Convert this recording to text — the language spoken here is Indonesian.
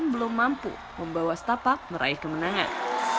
belum mampu membawa setapak meraih kemenangan